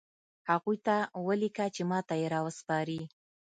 هغوی ته ولیکه چې ماته یې راوسپاري